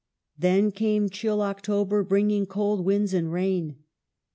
Then came chill October, bringing cold winds and rain.